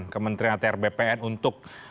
kementerian atr bpn untuk